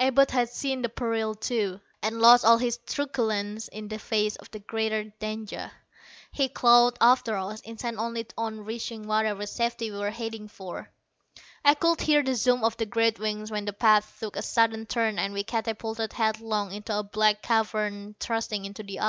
Abud had seen the peril, too, and lost all his truculence in the face of the greater danger. He clawed after us, intent only on reaching whatever safety we were heading for. I could hear the zoom of the great wings when the path took a sudden turn and we catapulted headlong into a black cavern thrusting into the ice.